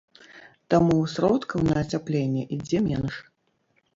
Таму сродкаў на ацяпленне ідзе менш.